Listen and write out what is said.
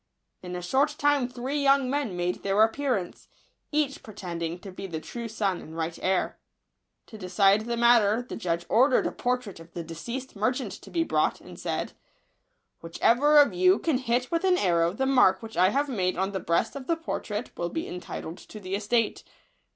In a short time three young men made their ap pearance, each pretending to be the true son and right heir. To decide the matter, the judge ordered a portrait of the deceased mer chant to be brought, and said, " Whichever of you can hit with an arrow the mark which I have made on the breast of the portrait will be entitled to the estate."